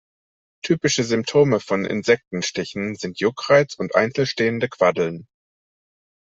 Typische Symptome von Insektenstichen sind Juckreiz und einzelstehende Quaddeln.